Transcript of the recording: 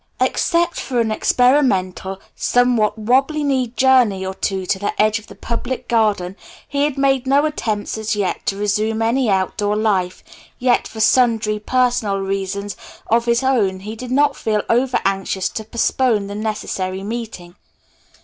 Except for an experimental, somewhat wobbly kneed journey or two to the edge of the Public Garden he had made no attempts as yet to resume any outdoor life, yet for sundry personal reasons of his own he did not feel over anxious to postpone the necessary meeting.